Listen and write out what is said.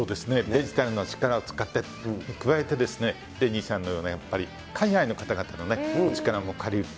デジタルの力を使って、加えて、ザニーさんのような海外の方々の力も借りる。